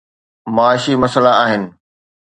معاشي مسئلا آهن.